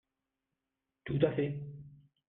Tout à fait